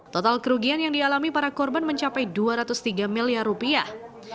total kerugian yang dialami para korban mencapai dua ratus tiga miliar rupiah